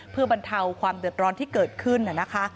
เพื่อบรรเทาความเดือดร้อนที่เกิดขึ้นนะคะ